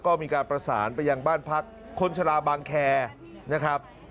ก็มีการประสานไปยังบ้านพักคนชะลาบางแคร์นะครับ